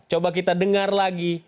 coba kita dengar lagi